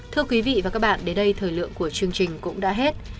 thưa quý vị và các bạn đến đây thời lượng của chương trình cũng đã hết